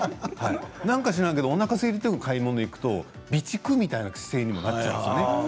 何か知らないけどおなかがすいてる時に買い物に行くと備蓄という姿勢になっちゃうんですよね